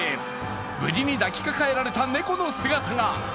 無事に抱きかかえられた猫の姿が。